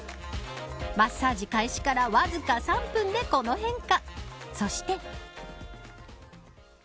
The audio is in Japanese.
マッサージ開始からわずか３分でこの変化。